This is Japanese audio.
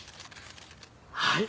はい。